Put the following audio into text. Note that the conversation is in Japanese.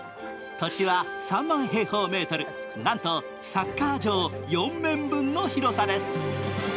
土地は３万平方メートル、なんとサッカー場４面分の広さです